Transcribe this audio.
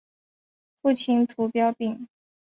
父亲涂秉彰。